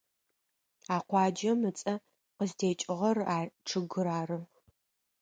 А къуаджэм ыцӏэ къызтекӏыгъэр а чъыгыр ары.